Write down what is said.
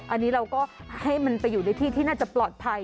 อันนี้เราก็ให้มันไปอยู่ในที่ที่น่าจะปลอดภัย